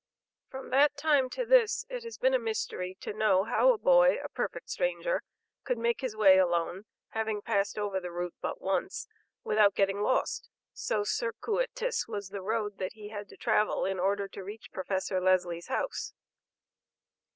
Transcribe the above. From that time to this, it has been a mystery to know how a boy, a perfect stranger, could make his way alone, (having passed over the route but once), without getting lost, so circuitous was the road that he had to travel, in order to reach Professor Lesley's house.